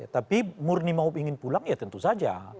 tapi murni mau ingin pulang ya tentu saja